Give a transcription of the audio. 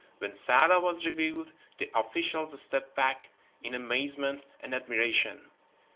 When Sarah was revealed, the officials stepped back in amazement and admiration.